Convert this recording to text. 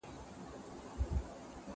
زه سفر کړی دی؟